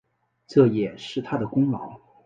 这也是他的功劳